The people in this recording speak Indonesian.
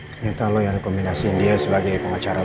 ternyata lo yang kombinasikan dia sebagai pengacara lo